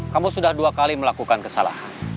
kamu sudah dua kali melakukan kesalahan